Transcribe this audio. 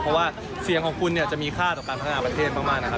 เพราะว่าเสียงของคุณเนี่ยจะมีค่าต่อการพัฒนาประเทศมากนะครับ